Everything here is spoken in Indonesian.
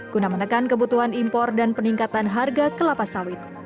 guna menekan kebutuhan impor dan peningkatan harga kelapa sawit